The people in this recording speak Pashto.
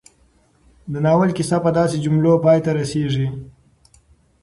د ناول کيسه په داسې جملو پای ته رسېږي